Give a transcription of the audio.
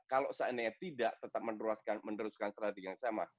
kalau seandainya tidak tetap meneruskan strategi yang sama